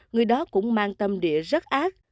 người đó cũng mang tâm địa rất ác